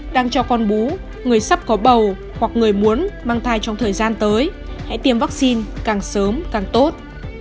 đang cho con bú người sắp có bầu hoặc người muốn mang thai trong thời gian tới hãy tiêm vaccine càng sớm càng tốt